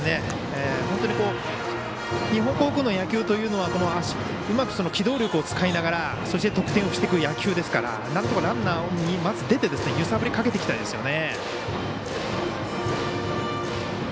本当に日本航空の野球というのはうまく機動力を使いながらそして得点をしていく野球ですからなんとかランナーが出て揺さぶりかけていきたいですよね。